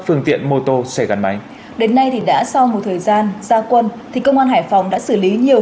phương tiện mô tô xe gắn máy đến nay thì đã sau một thời gian gia quân thì công an hải phòng đã xử lý nhiều